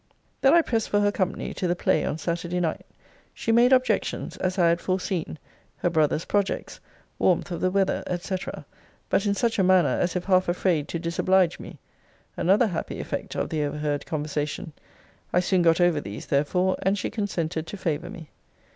Then I pressed for her company to the play on Saturday night. She made objections, as I had foreseen: her brother's projects, warmth of the weather, &c. But in such a manner, as if half afraid to disoblige me [another happy effect of the overheard conversation]. I soon got over these, therefore; and she consented to favour me.